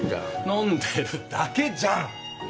飲んでるだけじゃん。